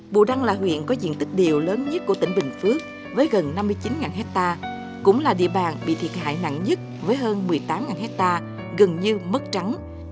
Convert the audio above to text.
bù đăng là huyện có diện tích điều lớn nhất của tỉnh bình phước với gần năm mươi chín hectare cũng là địa bàn bị thiệt hại nặng nhất với hơn một mươi tám hectare gần như mất trắng